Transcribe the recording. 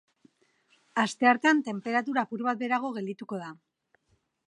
Asteartean tenperatura apur bat beherago geldituko da.